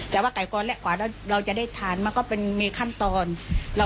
ได้ลองชิมอะไรอร่อย